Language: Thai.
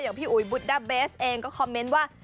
พี่อุ๋ยบุตด้าเบสเองก็คอมเมนต์ว่า